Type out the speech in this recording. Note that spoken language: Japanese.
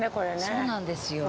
そうなんですよ。